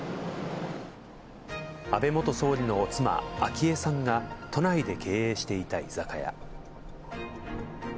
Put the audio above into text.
安倍元総理の妻、昭恵さんが都内で経営していた居酒屋。